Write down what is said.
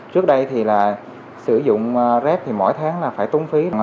trước đây thì là sử dụng rác thì mỗi tháng là phải tốn phí